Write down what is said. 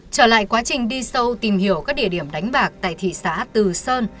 trở lại quá trình đi sâu tìm hiểu các địa điểm đánh bạc tại thị xã từ sơn